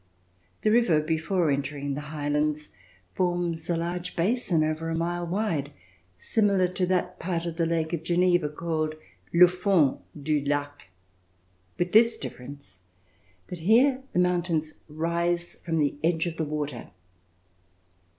The river, before entering the highlands, forms a large basin over a mile wide, similar to that part of the Lake of Geneva called Le Fond du Lac, with this difference that here the mountains rise from the edge of the water.